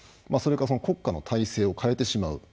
それか国家の体制を変えてしまう。